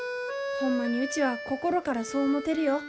ホンマにうちは心からそう思てるよ。